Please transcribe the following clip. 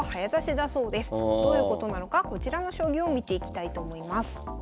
どういうことなのかこちらの将棋を見ていきたいと思います。